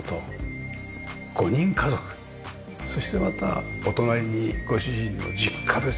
そしてまたお隣にご主人の実家ですよ。